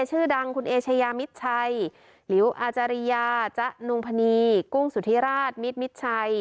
ชื่อดังคุณเอเชยามิดชัยหลิวอาจารยาจ๊ะนุงพนีกุ้งสุธิราชมิดมิดชัย